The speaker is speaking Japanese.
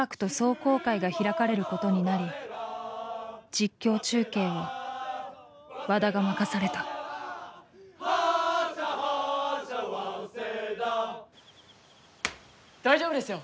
実況中継は和田が任された大丈夫ですよ